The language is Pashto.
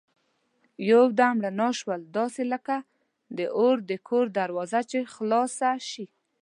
یو دم رڼا شول داسې لکه د اور د کورې دروازه چي خلاصه شي.